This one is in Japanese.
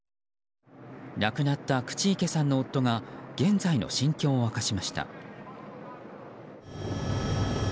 亡くなった口池さんの夫が現在の心境を明かしました。